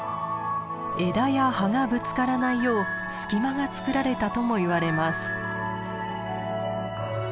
枝や葉がぶつからないよう隙間がつくられたともいわれます。